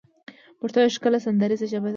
پښتو يوه ښکلې سندريزه ژبه ده